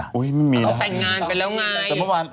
ต้องแต่งงานไปแล้วไง